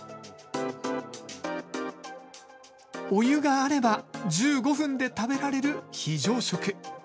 お湯があれば１５分で食べられる非常食。